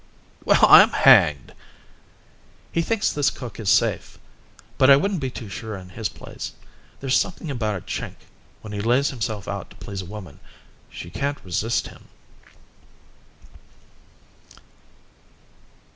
"Well, I'm hanged." "He thinks this cook is safe. But I wouldn't be too sure in his place. There's something about a Chink, when he lays himself out to please a woman she can't resist him."